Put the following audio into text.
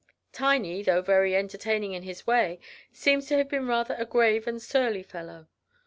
Tiney, though very entertaining in his way, seems to have been rather a grave and surly fellow.